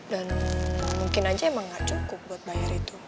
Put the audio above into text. dan mungkin aja emang gak cukup buat bayar itu